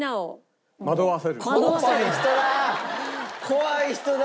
怖い人だ！